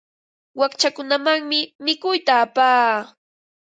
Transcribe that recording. Wakchakunamanmi mikuyta apaa.